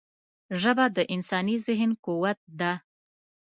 ژبه د انساني ذهن قوت ده